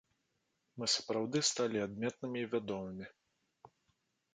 Мы сапраўды сталі адметнымі і вядомымі.